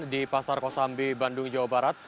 di pasar kosambi bandung jawa barat